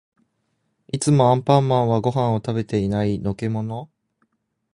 いつもアンパンマンはご飯を食べてない。のけもの？